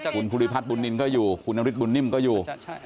คุณภูริพัฒนบุญนินก็อยู่คุณนฤทธบุญนิ่มก็อยู่